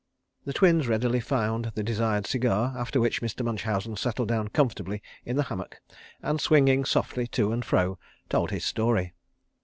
The Twins readily found the desired cigar, after which Mr. Munchausen settled down comfortably in the hammock, and swinging softly to and fro, told his story.